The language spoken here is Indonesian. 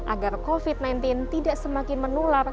agar covid sembilan belas tidak semakin menular